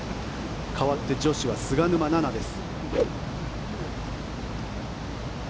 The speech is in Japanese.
かわって女子は菅沼菜々です。